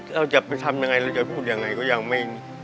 เราจะไปทำยังไงเราจะพูดยังไงก็ยังไม่